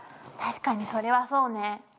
確かにそれはそうね。